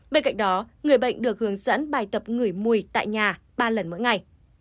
bên cạnh đó người bệnh được hướng dẫn bài tập ngửi mùi tại nhà ba lần mỗi ngày